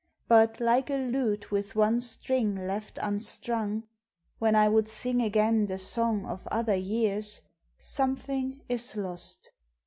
But like a lute with one string left unstrung, When I would sing again the song of other years, Something is lost.